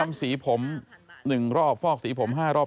สีผม๑รอบฟอกสีผม๕รอบ